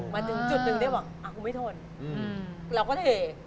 มาถึงจุดหนึ่งได้บอกกูไม่ทนเราก็เท